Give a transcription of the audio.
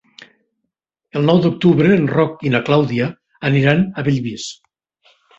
El nou d'octubre en Roc i na Clàudia aniran a Bellvís.